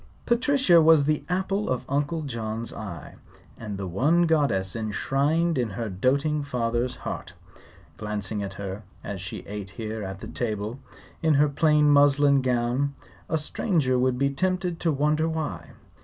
Patricia was the apple of Uncle John's eye, and the one goddess enshrined in her doting father's heart. Glancing at her, as she sat here at table in her plain muslin gown, a stranger would be tempted to wonder why.